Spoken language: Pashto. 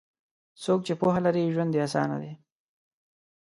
څوک چې پوهه لري، ژوند یې اسانه دی.